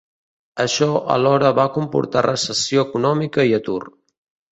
Això alhora va comportar recessió econòmica i atur.